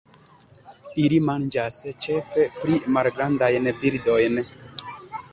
Ili manĝas ĉefe pli malgrandajn birdojn.